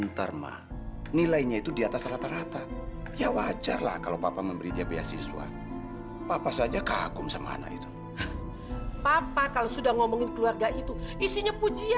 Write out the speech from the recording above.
sampai jumpa di video selanjutnya